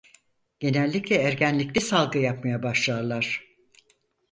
Genellikle ergenlikte salgı yapmaya başlarlar.